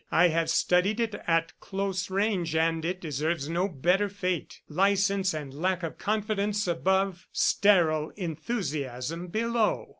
I have studied it at close range, and it deserves no better fate. License and lack of confidence above sterile enthusiasm below."